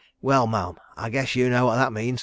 Well, Ma'am, I guess you know what that means.